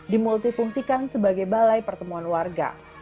dimultifungsikan sebagai balai pertemuan warga